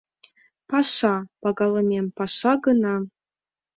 — Паша, пагалымем, паша гына.